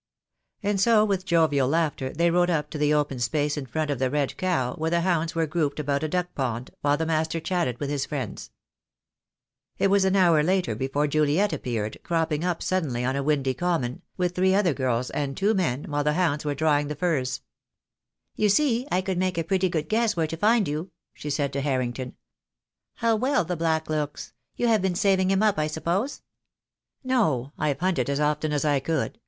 And so with jovial laughter they rode up to the open space in front of the "Red Cow," where the hounds were grouped about a duck pond, while the master chatted with his friends. THE DAY WILL COME. I 9 It was an hour later before Juliet appeared, cropping up suddenly on a windy common, with three other girls and two men, while the hounds were drawing the furze. "You see I could make a pretty good guess where to find you," she said to Harrington. "How well the black looks! You have been saving him up, I suppose?" "No, I've hunted as often as I could.